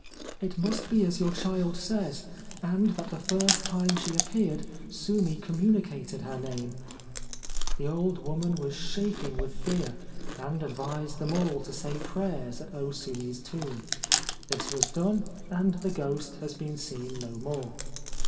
It must be as your child says, 257 33 Ancient Tales and Folklore of Japan and that the first time she appeared Sumi communicated her name/ The old woman was shaking with fear, and advised them all to say prayers at O Sumi's tomb. This was done, and the ghost has been seen no more.